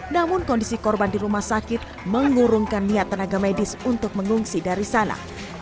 namun kondisi korban di rumah sakit mengurungkan niat tenaga medis untuk mengungsi dari sana